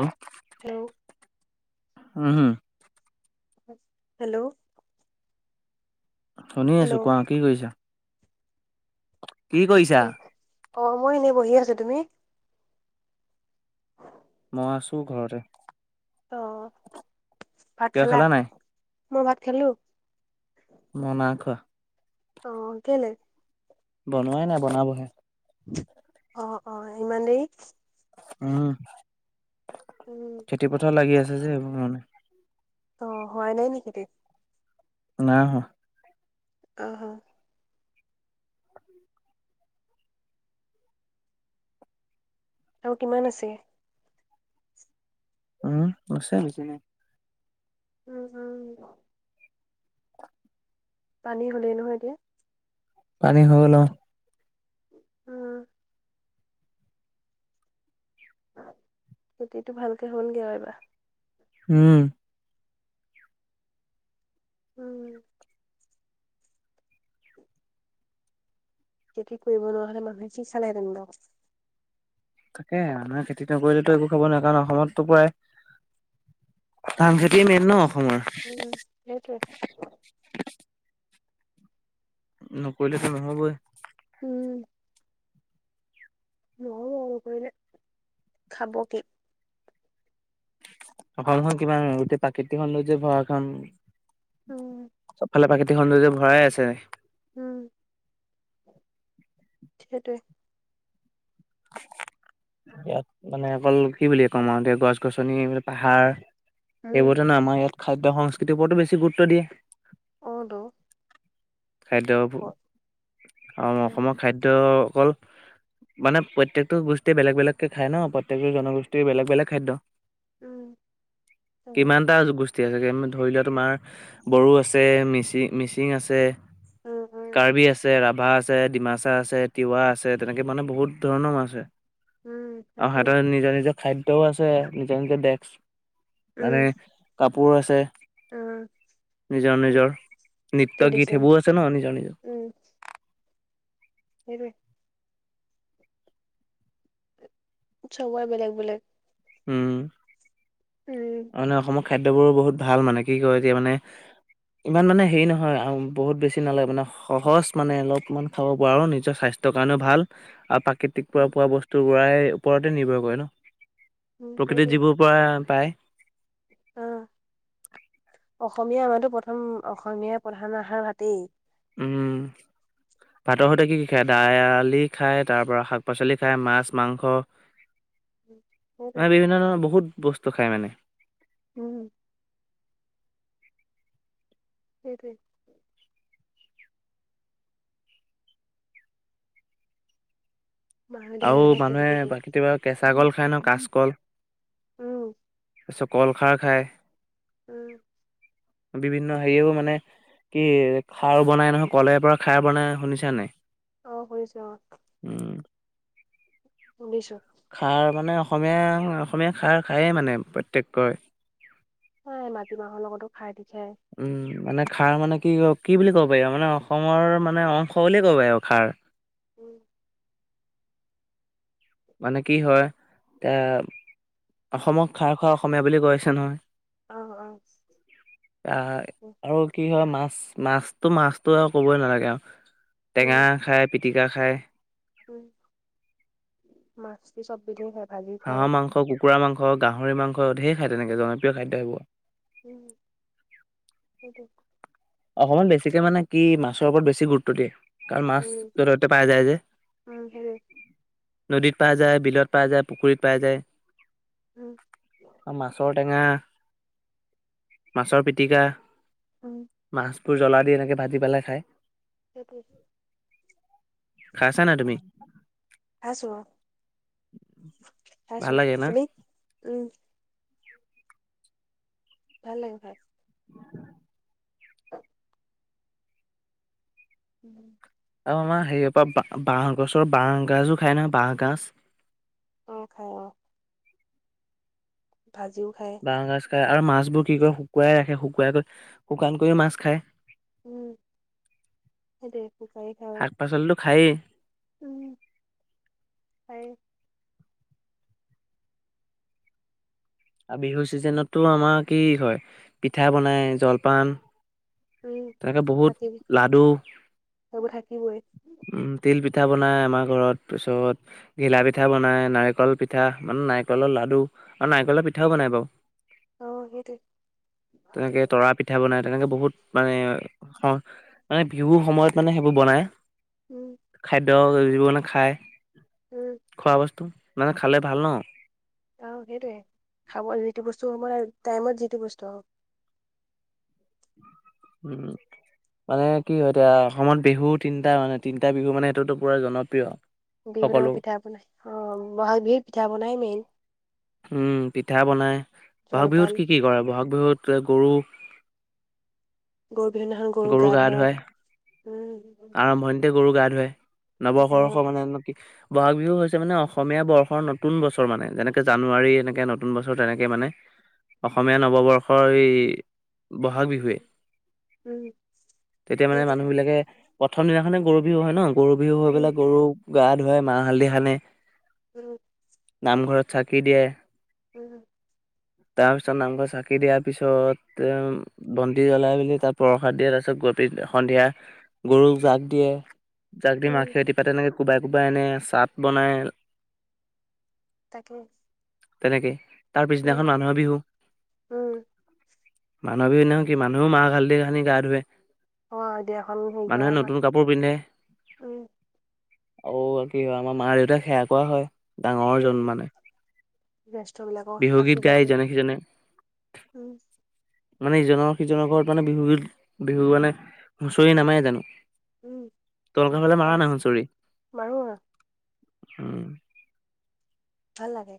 উম। Hello. উম, হুম। Hello? শুনি আছো হেল্ল' কোৱা, কি কৰিছা? [unintelligible] অ মই এনেই বহি আছো তুমি? মই আছো ঘৰতে। অ ভাত কিবা খালা? নাই? মই ভাত খালো। মই নাইখোৱা। অ কেলে? বনোৱাই নাই, বনাবহে। অ' অ ' ইমান দেৰি। উম। উম। খেতিপথাৰত লাগি আছে যে সেইবোৰ কাৰণে। অ হোৱা নাই নেকি তে নাইহোৱা। অ, হ। আৰু কিমান আছে? উম' আছে বেছি নাই। উম' উম '। পানী হ'লেই নহয় এতিয়া। পানী হল অ। উম। খেতিটো ভালকে হলগে আও এইবাৰ। উম। উম, হম। খেতি কৰিব নোৱাৰা হ'লে, মানুহে কি চালে হেঁতেন বাও। তাকে, আমাৰ খেতি নকৰিলেটো একো খাব ন নোৱাৰে কাৰণ অসমতো প্ৰায়- ধান খেতিয়ে মেইন ন অসমৰ? উম, সেইটোৱে। নকৰিলে তো নহবই। উম। উম, নহব নকৰিলে, খাব কি? অসমখন কিমান, গোটেই প্ৰাকৃতিক সৌন্দৰ্য্য যে ভৰা এখন উম চবফালে প্ৰাকৃতি সৌন্দৰ্য্য ভৰাই আছে। উম, সেইটোৱে। ইয়াত মানে অকল, কি বুলি কম আৰু এতিয়া, গছ- গছনি, পাহাৰ উম সেইবোৰতে ন, আমাৰ ইয়াত খাদ্য সংস্কৃতিৰ ওপৰতো বেছি গুৰুত্ব দিয়ে। অ, টো। খাদ্য ওপ, উম অসমৰ খাদ্য অকল মানে প্ৰত্যেকটো গোষ্ঠীয়ে বেলেগ- বেলেগ খাই ন, প্ৰত্যেকটো জনগোষ্ঠীৰ বেলেগ- বেলেগ খাদ্য। উম হ'ব কিমানটা গোষ্ঠ গোষ্ঠী আছে, ধৰি লোৱা, তোমাৰ বড়ো আছে, মিচিং- মিচিং আছে উম উম কাৰ্বি আছে, ৰাভা আছে, ডিমাচা আছে, তিৱা আছে, তেনেকে মানে বহুত ধৰণও আছে। উম আৰু আছে সিহতঁৰ নিজৰ- নিজৰ খাদ্যও আছে, নিজৰ- নিজৰ দেচ মানে উম কাপোৰ আছে। উম নিজৰ- নিজৰ নৃত্যৰ, গীত ট্ৰেডিচন সেইবোৰ আছে ন। নিজৰ নিজৰ। উম। সেইটোৱেই। চবৰে বেলেগ বেলেগ। উম। উম। মানে অসমৰ খাদ্যবোৰো বহুত ভাল মানে। কি কয় এতিয়া মানে ইমান মানে হেৰি নহয় আৰু। বহুত বেছি নালাগে মানে সহজ মানে, অলপমান খাব পৰা আৰু নিজৰ স্বাস্থ্য স্বাস্থ্যৰ কাৰণে ভাল, আৰু পা কৃতিক পৰা উম পোৱা বস্তুবোৰ পৰাই ওপৰতে নিৰ্ভৰ কৰে ন। উম প্ৰকৃতিৰ সেইটোৱে যিবোৰ পোৱাই পায়। অ, অসমীয়া আমাৰতো প্ৰথম অসমীয়া প্ৰধান আহাৰ ভাতেই। উম। ভাতৰ সৈতে কি কি খায়? দালি খায়, তাৰ পৰা শাক- পাচলি খায়, মাছ মাংস। উম, সেইটোৱে এনে বিভিন্ন ধৰণৰ বহুত বস্তু খাই মানে। উম। সেইটোৱেই। মাহী দেউতাই আৰু সেইটো কাৰণে মানুহে খেতিটো বা কৰিছে কেতিয়াবা কেঁচা উম কল খায় ন, কাচকল। পিছত কল খাৰ খায়। উম। বিভিন্ন হেৰিও মানে কি খাৰ বনাই নহয়, কলে পৰা খাৰ বনাই শুনিছা নাই? অ, শুনিছোঁ অ। উম। শুনিছোঁ। খাৰ মানে অসমীয়া- অসমীয়া খাৰ খায়েই মানে প্ৰত্যেকৰ। হয় মাটিমাহৰ লগতো খাৰ দি খায় উম মানে খাৰ মানে কি ক কি বুলি ক'ব পাৰি আৰু মানে অসমৰ মানে অংশ বুলিয়ে কবি আৰু খাৰ উম মানে কি হয় এ অসমক খাৰ খোৱা অসমীয়া বুলি কয়ছে নহয় অ অ এয়া উম আৰু কি হয় মাছ, মাছটো মাছটো আৰু কবই নালাগে আৱ উম টেঙা খায়, পিটিকা খায় উম মাছপি চববিধেই খাই হাঁহৰ মাংস, কুকুৰা মাংস, গাহৰি মাংস ঢেৰ খায় তেনেকে জনপ্ৰিয় খাদ্য সেইবো। উম সেইটোৱে অসমত বেছিকে মানে কি মাছৰ ওপৰত বেছি গুৰুত্ব দিয়ে কাৰণ মাছ উম য'তে ত'তে পাই যায় যে। উম সেইটোৱে নদীত পাই যায়, বিলত পোৱা যায় পুখুৰীত পাই যায় উম আৰু মাছৰ টেঙা, মাছৰ পিটিকা উম মাছবোৰ জ্বলা দিয়া থাকে ভাজি পেলাই খায় সেইটোৱে খাইছানাই তুমি? খাইছোঁ অ, ভাল খাইছোঁ লাগে না? তুমি? উম ভাল লাগে খাই [unintelligible] ওম আৰু আমাৰ হেৰিয়পা বাঁহ বাঁহ গছৰ বাঁহ গাজো খাই নহয় বাঁহ গাজ অ খাই অ ভাজিও খাই বাঁহ গাজ খায় আৰু মাছবোৰ কি কই শুকুৱাই ৰাখে, শুকুৱাই কৈ শুকান কৰি মাছ খায় উম সেইটোৱে শুকাই খায় শাক পাচলিটো খায়েই উম পাৰি আৰু বিহুৰ চিজনটো আমাৰ কি হয় পিঠা বনাই, জলপান উম তেনেকে বহুত থাকিব লাডু সেইবোৰ থাকিবই উম তিল পিঠা বনাই আমাৰ ঘৰত পিছত ঘিলা পিঠা বনাই, নাৰিকল পিঠা মানে নাৰিকলৰ লাডু আৰু নাৰিকলৰ পিঠ ঠাও বনাই বাৰু, অ সেইটোৱে তেনেকে তৰা পিঠ পিঠা বনাই, তেনেকে বহুত মানে মানে বিহুৰ সময়ত মানে সেইবোৰ বনায়। উম খাদ্য যিবোৰ মানে খাই উম খোৱা বস্তু, মানে খালে ভাল ন আহ সেইটোৱে খাব যিটো বস্তু সময় টাইমত যিটো বস্তু হওঁক উম মানে কি হয় এতিয়া অসমত বিহু তিনটা মানে, তিনটা বিহু মানে এইটোতো পুৰা জনপ্ৰিয় বিহুত সকলো আকৌ পিঠা বনাই অ ব'হাগ বিহুত পিঠা বনাই মেইন উম পিঠা বনাই, ব'হাগ বিহুত জলপান কি কি কৰে ব'হাগ বিহুত গৰু গৰু বিহু দিনাখন গৰুক গৰু গা ধুৱায় ধুৱাই উম আৰম্ভণিতে গৰু গা ধুৱাই। সেইটোৱে অ নৱবৰ্ষ মানে উন্নতি বহাগ বিহু হৈছে মানে অসমীয়া বৰ্ষৰ নতুন বছৰ মানে, যেনেকে জানুৱাৰী এনেকে নতুন বছৰ তেনেকে মানে। অসমীয়া নৱবৰ্ষৰ এই বহাগ বিহু। উম এতিয়া মানে মানুহ সেইটোৱে বিলাকে প্ৰথম দিনাখনে গৰু বিহু হয় ন'। গৰু বিহু হৈ উম পেলাই গৰুক গা ধুৱাই মাহ হালধি খানে। উম', নামঘৰত চাকি দিয়ে। উম', তাৰ পিছত নামঘৰত চাকি দিয়াৰ পিছত, উ বন্তি জ্বলাই মেলি তাত প্ৰসাদ দিয়ে তাৰপিছত, সন্ধিয়া গৰুক জাগ দিয়ে, জাক দি উম মাখিয়তি পাত তেনেকে কোবাই কোবাই আনে, চাট বনাই তাকেই। তেনেকেই, তাৰ পিছদিনাখন মানুহৰ বিহু। উম, মানুহ বিহুৰ দিনাখন কি, মানুহও মাহ হালধি সানি গা ধুৱে। অ', তিয়াখন হেৰি মানুহে কৰা, নতুন কাপোৰ পিন্ধে উম',। আৰু কি হয় আমাৰ মা-দেউতাক সেয়া কৰোৱা হয়, ডাঙৰ উম, জন মানে। জ্যেষ্ঠ বিলাকক বিহু গীত গাই আশীৰ্বাদ দিয়ে। ইজনে সিজনে উম',। মানে ইিজনৰ সিজনৰ ঘৰত মানে বিহু- বিহু মানে হুঁচৰি নামায় জানো? উম, তহঁতৰ ফালে মাৰে বাচ নাই হুচৰি? মাৰো আৰু উম'। ভাল লাগে।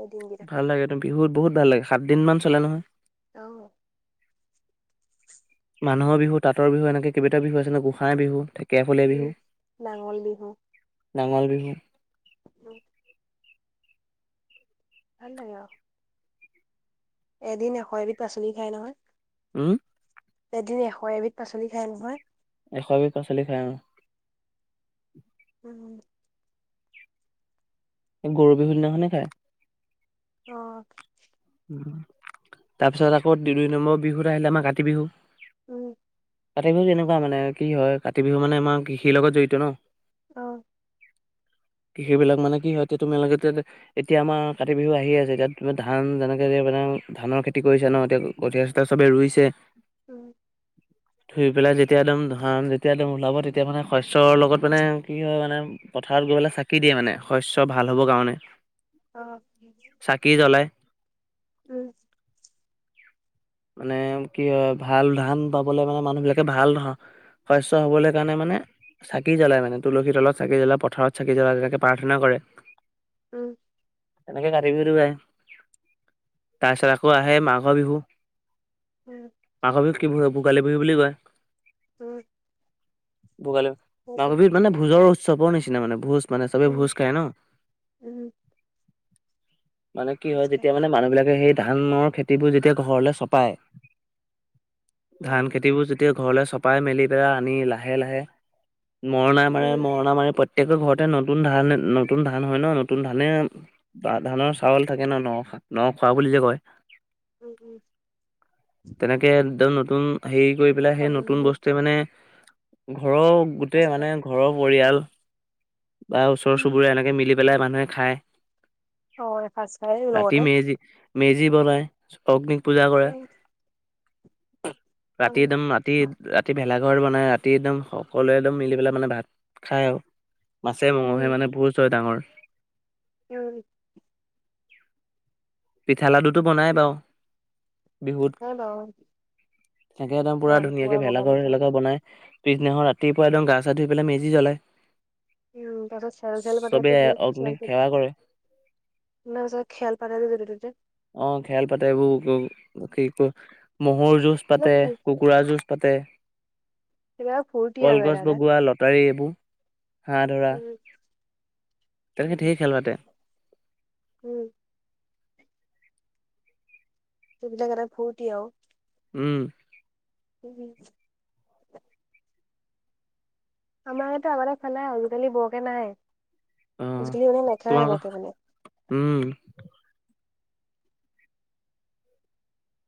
এই দিনকেইটা ভাল লাগেতু বিহুত বহুত ভাল লাগে, সাতদিনমান চলে নহয়। অ',। মানুহৰ বিহু, তাঁতৰ বিহু এনেকৈ কেইবাটা বিহু আছেনে গোসাই বিহু, ঢেকীয়াফলীয়া উম। বিহু। নাঙল বিহু নাঙল বিহু। উম',। ভাল লাগে আৰু। এদিন এশ এবিধ পাচলি খাই নহয়। উম',। এদিন এশ এবিধ পাচলি খাই নহয়। এশ এবিধ পাচলি খায় অ',। উম',। এই গৰু বিহুৰ দিনাখনে খাই। অ',। তাৰ পিছত আকৌ দুই নম্বৰ বিহুত আহিলে, আমাৰ কাতি বিহু। উম',। কাতি বিহু এনেকুৱা মানে কি হয়, কাতি বিহু মানে আমাৰ কৃষিৰ লগত জড়িত ন'। অ',। ঙম কৃষিব বিলাক মানে কি হয়, এতিয়া তোমালোকে টো এতিয়া আমাৰ কাতি বিহু আহি আছে। এতিয়া ধান যেনে যেনে ধানৰ খেতি কৰিছে ন'। এতিয়া কঠিয়া-চঠিয়া চবে ৰুইছে। উম',। ধুই পেলাই যেতিয়া একদম ধান যেতিয়া একদম ওলাব, তেতিয়া মানে শস্যৰ লগত মানে কি হয় মানে পথাৰত গৈ পেলাই চাকি দিয়ে মানে, শস্য ভাল হ'বৰ কাৰণে। অ',। চাকি জ্বলাই। উম',। মানে কি হয় ভাল ধান পাবলে মানে মানুহ বিলাকে ভাল শস্য হ'বলৈ কাৰণে মানে চাকি জ্বলাই মানে তুলসী তলত চাকি জ্বলাই পথাৰত চাকি জ্বলাই তেনেকে প্ৰাৰ্থনা কৰে উম, এনেকে কাতি বিহুতো আহে তাৰপিছত আকৌ আহে মাঘৰ বিহু। উম, মাঘৰ বিহুক কি বিহু, ভোগালী বিহু বুলি কয়। উম, ভোগালী সেইটোৱে মাঘবিহুত মানে ভোজৰ উৎসৱৰ নিচিনা মানে ভোজ মানে চবে উম, ভোজ খায় ন' উম, মানে কি ভোজ হয় খাই যেতিয়া মানে মানুহবিলাকে সেই ধানৰ খেতিবোৰ যেতিয়া ঘৰলে চপাই উম, ধান খেতিবোৰ যেতিয়া ঘৰলে চপাই মেলি পেলাই আনি লাহে লাহে মৰণা মাৰে উম, মৰণা মাৰি প্ৰত ঘৰতে নতুন ধান নতুন ধান হয় ন' নতুন ধানে বৰা ধানৰ চাউল থাকে ন' নখা নখোৱা বুলি যে কয়। উম, উম, তেনেকে একদম নতুন হেৰি কৰি পেলাই সেই চবে নতুন মিলি বস্তুৱে মানে ঘৰৰ এসাঁজ গোটেই খাই মানে ঘৰৰ পৰিয়াল বা ওচৰ উম, চুবুৰীয়া এনেকে মিলি পেলাই মানুহে খায়। অ', এখাচ খাই ৰাতি লগতে মেজি মেজি বনাই অগ্নিক পূজা ক [inaudible] অ, ৰাতি একদম ৰাতি ৰা ৰাতি ভেলাঘৰ বনায় ৰাতি একদম সকলোৱে একদম মিলি পেলাই মানে ভাত খায় আৰু। মাছে মঙহে উম, মানে ভূজ হয় ডাঙৰ। উম, পিঠা লাডুটো বনাই বাৰু। বিহুত নাই বাৰু একে একদম পুৰা নাই ধুনীয়াকে বগা ভেলাঘৰ পিঠা। চেলাঘৰ বনাই। পিছদিনাখন ৰাতিপুৱা একদম গা ছা ধুই পেলাই মেজি জ্বলাই। উম, তাৰপিছত চেল চেল চবে পাতাতো অগ্নিক [unintelligible] সেৱা কৰে আমাৰ ওচৰত খেল পাটে যে যতে ত'তে। অ', খেল পাতে এইবোৰ কি কয় মহৰ জুজ পাতে এইবিলাক ফু- কু কুকৰা যুঁজ পাতে, সেইবিলাক ফূৰ্তি আৰু কলগছ এটা এটা। বগোৱা লটাৰী এইবোৰ হাঁহ ধৰা, উম, তেনেকে উম, ধেৰ খেল পাতে। উম, সেইবিলাক এটা ফূৰটি আৰু। উম, [inaudible] আমাৰ ইয়াতো আগতে খেলে আজিকালি বৰকে নাই অ আজিকালি নেখেলে তোমালোকৰ বৰকে মানে। উম,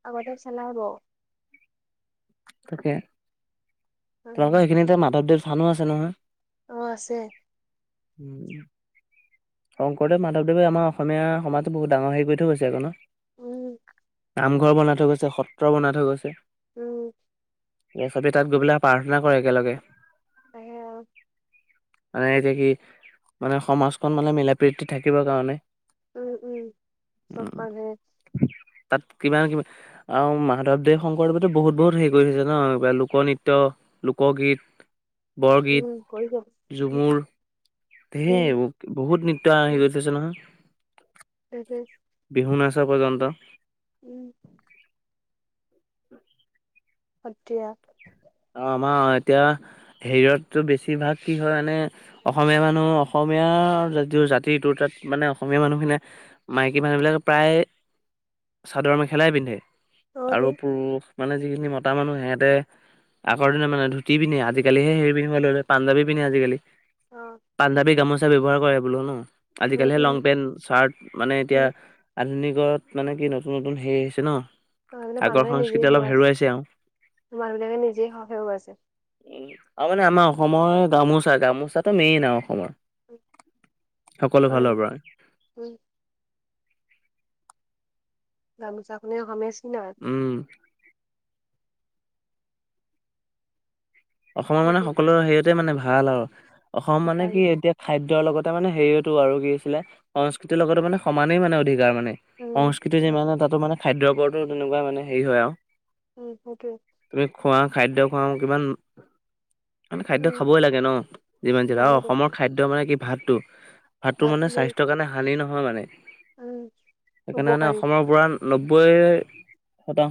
আগতে খেলাব তাকে উম, তোমালোকৰ সেইখিনিতে মাধৱদেৱ থানো আছে নহয়। অ', আছে। উম, শংকৰদেৱ মাধৱদেৱে আমাৰ অসমীয়া সমাজটো বহুত ডাঙৰ হেৰি কৰি থৈ গৈছে আকৌ ন। উম, নামঘৰ বনাই থৈ গৈছে সত্ৰ বনাই থৈ গৈছে উম, এই চবে তাত গৈ পেলাই প্ৰাৰ্থনা কৰে একেলগে। তাই হেইয়া মানে এতিয়া কি মানে সমাজখন মানে মিলা প্ৰীতিকে থাকিবৰ কাৰণে। উম, উম চব উম মানুহে তাত কিমান কিমান আৰু মাধৱদেৱ শংকৰদেৱতো বহুত বহুত হেৰি কৰি থৈছে ন? কিবা লোকনৃত্য লোকগীত, উম, বৰগীত, কৰিছে উম, ঝুমুৰ ঢেৰ উম, এইবোৰ বহুত নৃত্য উম, হেৰি কৰি থৈছে নহয়। তাকে। বিহুনাছ পৰ্য্যন্ত। উম। উ [unintelligible] সত্ৰিয়া। আৰু আমাৰ এতিয়া হেৰিয়াততো বেছিভাগ কি হয় মানে। অসমীয়া মানুহ অসমীয়া জাতিটো তাত মানে অসমীয়া মানুহখিনিয়ে মাইকী মানুহবিলাকে প্ৰায় চাদৰ মেখেলাই পিন্ধে। অ তো আৰু পুৰুষ মানে যিখিনি মতা মানুহ সিহঁতে আগৰ দিনৰ মানুহে ধুতি পিন্ধে, আজিকালি হৰি পিন্ধিব ল'লে পাঞ্জাবি পিন্ধে আজিকালি অ পাঞ্জাবী গামোচা ব্যৱহাৰ কৰে বোলো ন, উম আজিকালিহে উম লং পেন্ট চাৰ্ট। মানে এতিয়া উম আধুনিকত মানে কি নতুন নতুন হেৰি হৈছে ন? অ এইবিলাক আগৰ মানুহে নিজেই সংস্কৃতি অলপ হেৰুৱাইছে আৰু। মানুহ বিলাকে নিজেই সাহস হেৰুৱাইছে। অ' আৰু মানে আমাৰ অসমৰ গামোচা, গামোচাটো মেইন আৰু অসমৰ। উম সকলোফালৰ পৰাই। উম। গামোচাখনেই অসমীয়া চিন আৰু। উম। অসমৰ মানে সেইটো সকলো হেৰিয়াতে মানে ভাল আৰু, অসমৰ মানে ভাল কি এতিয়া খাদ্যৰ লগতে মানে হেৰিয়াটো আৰু কি হৈছিলে সংস্কৃতিৰ লগত মানে সমানেই মানে অধিক যাৰ মানে, উম সংস্কৃতি যি মানে তাতো মানে খাদ্যৰ ওপৰতো তেনেকুৱা মানে হেৰি হয় আৰু। উম, সেইটোৱে। তুমি খোৱা, খাদ্য খোৱা কিমান মানে খাদ্য উম খাবই লাগে ন? যিমান যি আৰু লাগেতো অসমৰ খাদ্য মানে কি ভাতটো। ভাতটো ভাত মানে স্বাস্থ্যৰ কাৰণে হানি নহয় মানে, উম সেইকাৰণে মানে উপকাৰী অসমৰ পুৰা নব্বৈ শতাংশ